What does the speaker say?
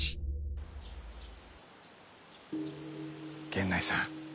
源内さん。